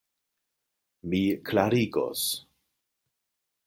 Mi klarigos.